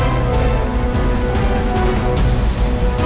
gak ada apa